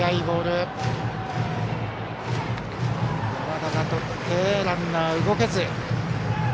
山田がとってランナーは動けず。